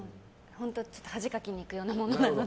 恥かきに行くようなものなので。